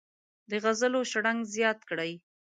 د غزلو شرنګ زیات کړي.